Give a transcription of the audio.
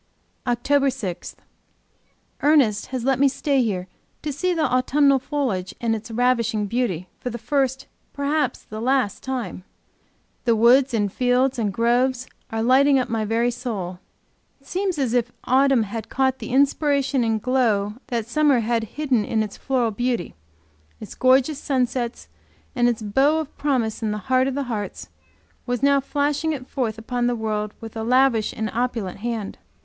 OCTOBER 6. Ernest has let me stay here to see the autumnal foliage in its ravishing beauty for the first, perhaps for the last, time. The woods and fields and groves are lighting up my very soul! It seems as if autumn had caught the inspiration and the glow of summer, had hidden its floral beauty, its gorgeous sunsets and its bow of promise in its heart of hearts, and was now flashing it forth upon the world with a lavish and opulent hand.